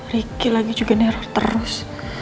riki lagi juga neror terus